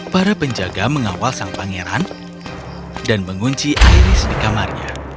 para penjaga mengawal sang pangeran dan mengunci airis di kamarnya